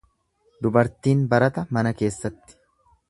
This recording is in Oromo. Dubartiin barata mana keessatti.